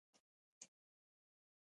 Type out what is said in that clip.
شاګرد ونیوی.